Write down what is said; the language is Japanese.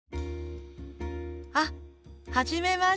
あっ初めまして。